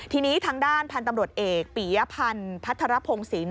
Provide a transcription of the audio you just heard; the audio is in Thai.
ทีนี้ทางด้านพันธุ์ตำรวจเอกปียพันธ์พัทรพงศิลป